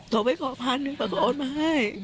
โทรไปขอพันธุ์แต่เขาอ้อนมาให้